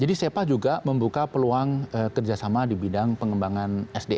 jadi sepa juga membuka peluang kerjasama di bidang pengembangan